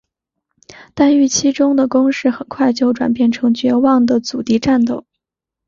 但预期中的攻势很快就转变成绝望的阻敌战斗。